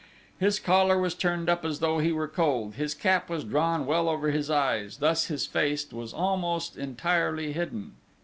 His collar was turned up as though he were cold; his cap was drawn well over his eyes, thus his face was almost entirely hidden.